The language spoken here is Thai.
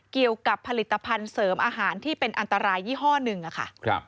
เกี่ยวกับผลิตภัณฑ์เสริมอาหารที่เป็นอันตรายยี่ห้อหนึ่งค่ะ